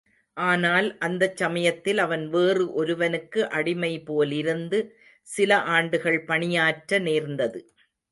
ஆனால், அந்தச் சமயத்தில் அவன் வேறு ஒருவனுக்கு அடிமை போலிருந்து சில ஆண்டுகள் பணியாற்ற நேர்ந்தது.